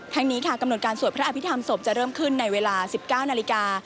นี้ค่ะกำหนดการสวดพระอภิษฐรรมศพจะเริ่มขึ้นในเวลา๑๙นาฬิกา